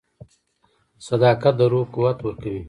• صداقت د روح قوت ورکوي.